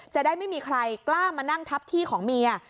จะได้ไม่มีใครกล้ามานั่งทับที่ของเมีย